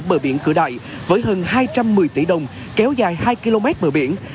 bờ biển cửa đại với hơn hai trăm một mươi tỷ đồng kéo dài hai km bờ biển